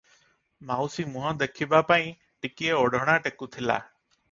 ମାଉସୀ ମୁହଁ ଦେଖିବାପାଇଁ ଟିକିଏ ଓଢ଼ଣା ଟେକୁଥିଲା ।